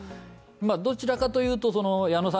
どちらかと言うと矢野さん